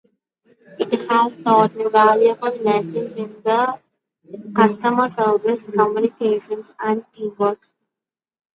It has taught me valuable skills in customer service, communication, and teamwork.